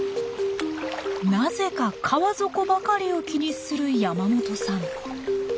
なぜか川底ばかりを気にする山本さん。